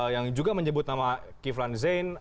yang juga menyebut nama kiflan zain